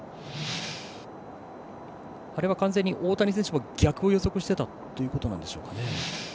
あれは完全に大谷選手も逆を予測してたということなんでしょうか。